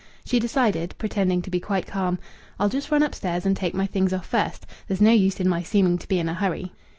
She decided, pretending to be quite calm: "I'll just run upstairs and take my things off first. There's no use in my seeming to be in a hurry."